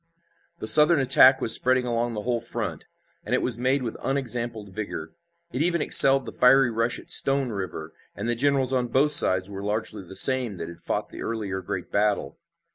The Southern attack was spreading along the whole front, and it was made with unexampled vigor. It even excelled the fiery rush at Stone River, and the generals on both sides were largely the same that had fought the earlier great battle.